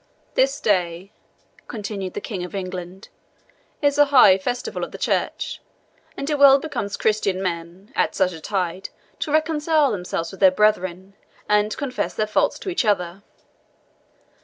"This day," continued the King of England, "is a high festival of the church, and it well becomes Christian men, at such a tide, to reconcile themselves with their brethren, and confess their faults to each other.